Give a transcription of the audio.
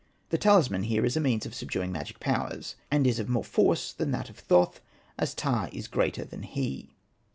The talisman here is a means of subduing magic powers, and is of more force than that of Thoth, as Ptah is greater than he.